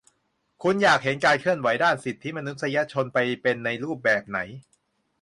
"คุณอยากเห็นการเคลื่อนไหวด้านสิทธิมนุษยชนเป็นไปในรูปแบบไหน ?"